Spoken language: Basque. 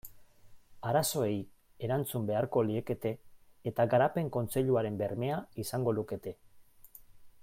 Arazoei erantzun beharko liekete eta Garapen Kontseiluaren bermea izango lukete.